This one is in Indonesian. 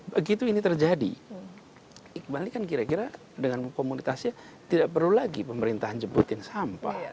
begitu ini terjadi iqbal ini kan kira kira dengan komunitasnya tidak perlu lagi pemerintahan jemputin sampah